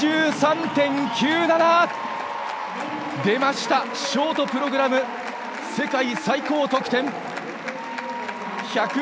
出ました、ショートプログラム世界最高得点！